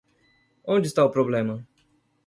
Onde está o problema?